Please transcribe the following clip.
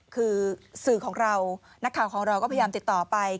คือสื่อของเรานักข่าวของเราก็พยายามติดต่อไป